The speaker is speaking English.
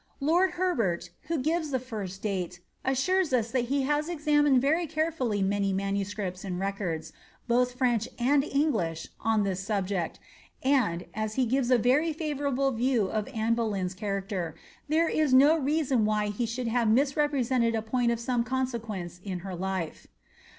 Lord Herbert, who gives the first date, israres us that he has examined very carefully many manuscripts and records, both French and English, on this subject, and, a^ he gives a Tery fiivomiBble view of Anne Boleyn's character, there is no reason why he should have misrepresented a point of some consequence in her life.